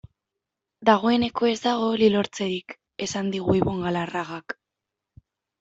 Dagoeneko ez dago hori lortzerik, esan digu Ibon Galarragak.